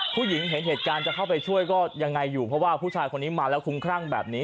เห็นเหตุการณ์จะเข้าไปช่วยก็ยังไงอยู่เพราะว่าผู้ชายคนนี้มาแล้วคุ้มครั่งแบบนี้